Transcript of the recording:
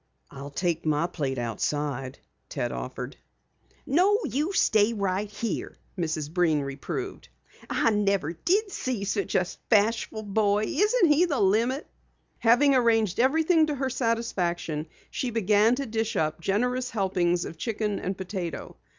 "I'll take my plate outside," Ted offered. "No, you stay right here," Mrs. Breen reproved. "I never did see such a bashful boy! Isn't he the limit?" Having arranged everything to her satisfaction, she began to dish up generous helpings of chicken and potato.